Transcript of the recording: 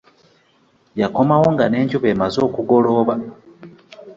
Yakomawo nga n'enjuba emaze okugolooba.